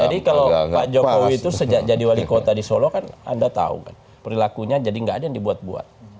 jadi kalau pak jokowi itu sejak jadi wali kota di solo kan anda tahu kan perilakunya jadi nggak ada yang dibuat buat